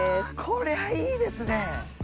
これはいいですね！